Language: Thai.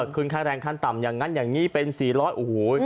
ขึ้นค่าแรงขั้นต่ำอย่างนั้นอย่างนี้เป็น๔๐๐โอ้โห